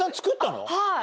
はい！